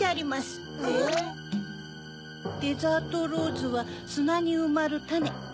「デザートローズはすなにうまるたね。